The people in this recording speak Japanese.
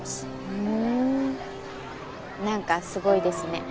ふんなんかすごいですね。